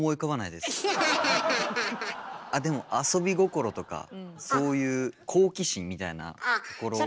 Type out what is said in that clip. あっでも遊び心とかそういう好奇心みたいなところを。